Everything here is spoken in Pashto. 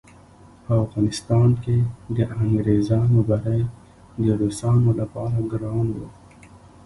په افغانستان کې د انګریزانو بری د روسانو لپاره ګران وو.